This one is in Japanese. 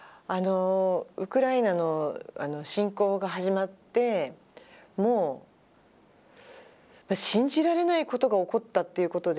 ウクライナ侵攻が始まって、もう信じられないことが起こったということで。